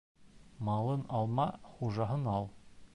Малын алма, хужаһын ал.